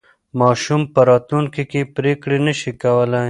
ماشوم په راتلونکي کې پرېکړې نه شي کولای.